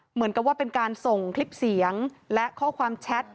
เหมือนกับว่าเป็นการส่งคลิปเสียงและข้อความแชท